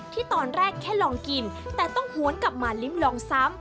ที่ตอนแรกแค่ลองกินแต่ต้องหวนกลับมาลิ้มลองซ้ำ